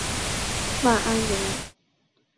万安人。